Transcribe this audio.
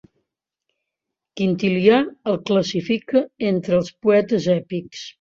Quintilià el classifica entre els poetes èpics.